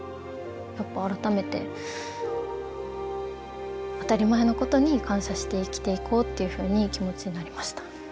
やっぱ改めて当たり前のことに感謝して生きていこうというふうに気持ちになりました。